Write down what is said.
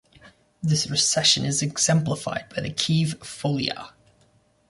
This recension is exemplified by the Kiev Folia.